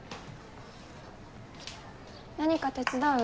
何か手伝う？